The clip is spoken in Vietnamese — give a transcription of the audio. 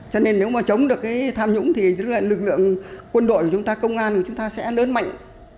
cho nên nếu mà chống được cái tham nhũng thì lực lượng quân đội của chúng ta công an của chúng ta sẽ lớn mạnh